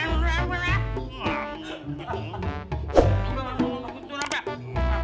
tunggal mau lo nunggu ke cura pak